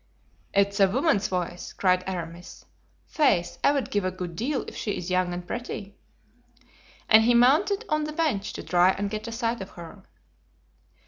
"It is a woman's voice," cried Aramis; "faith, I would give a good deal if she is young and pretty." And he mounted on the bench to try and get a sight of her.